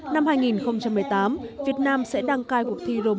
năm hai nghìn một mươi tám việt nam sẽ đăng cai cuộc thi robin